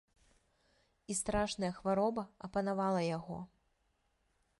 І страшная хвароба апанавала яго.